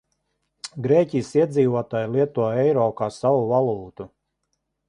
Grieķijas iedzīvotāji lieto eiro kā savu valūtu.